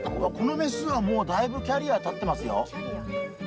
この雌はもうだいぶキャリアたってますよ。